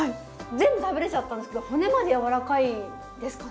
全部食べれちゃったんですけど骨までやわらかいですかね？